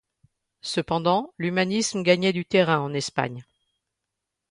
Cependant l'humanisme gagnait du terrain en Espagne.